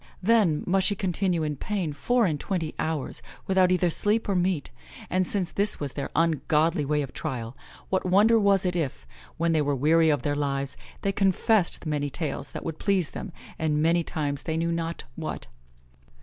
Then must she continue in pain four and twenty hours, without either sleep or meat; and since this was their ungodly way of trial, what wonder was it if, when they were weary of their lives, they confessed many tales that would please them, and many times they knew not what."